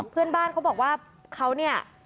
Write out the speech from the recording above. เพื่อนบ้านเขาบอกว่าเขาเนี่ย